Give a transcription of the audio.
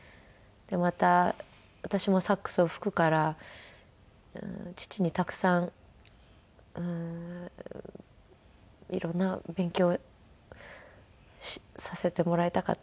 また私もサックスを吹くから父にたくさん色んな勉強させてもらいたかったですし。